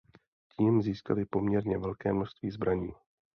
Tím získali poměrně velké množství zbraní.